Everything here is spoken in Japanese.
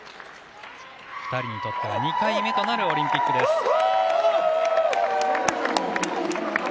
２人にとっては２回目となるオリンピックです。